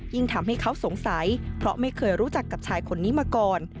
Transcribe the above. ทำให้เขาสงสัยเพราะไม่เคยรู้จักกับชายคนนี้มาก่อน